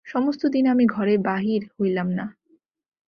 সমস্তদিন আমি ঘরে বাহির হইলাম না।